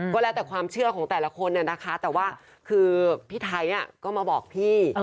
ก็แล้วแต่ความเชื่อของแต่ละคนนะคะแต่ว่าคือพี่ไทยก็มาบอกพี่